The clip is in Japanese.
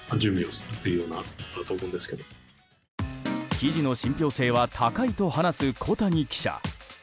記事の信憑性は高いと話す小谷記者。